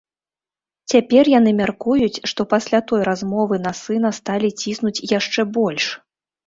Цяпер яны мяркуюць, што пасля той размовы на сына сталі ціснуць яшчэ больш.